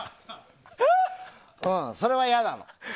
それは嫌なの。